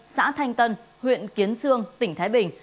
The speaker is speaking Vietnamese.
xã thanh tân huyện kiến sương tỉnh thái bình